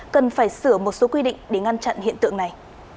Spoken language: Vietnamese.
cần phải sửa một số quy định để ngăn chặn hiện tượng này